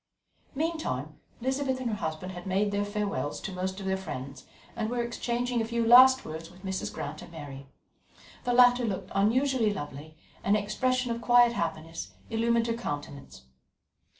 Meantime, Elizabeth and her husband had made their farewells to most of their friends, and were exchanging a few last words with Mrs. Grant and Mary. The latter looked unusually lovely, and an expression of quiet happiness illumined her countenance.